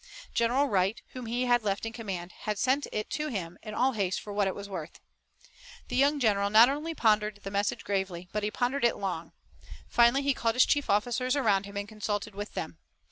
General Wright, whom he had left in command, had sent it to him in all haste for what it was worth. The young general not only pondered the message gravely, but he pondered it long. Finally he called his chief officers around him and consulted with them.